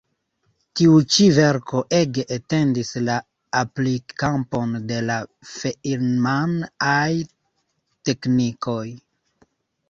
Tiu ĉi verko ege etendis la aplik-kampon de la Feinman-aj teknikoj.